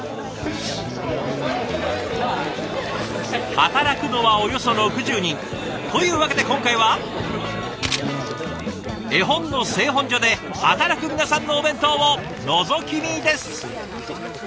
働くのはおよそ６０人。というわけで今回は絵本の製本所で働く皆さんのお弁当をのぞき見です。